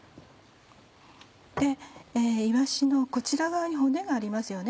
いわしのこちら側に骨がありますよね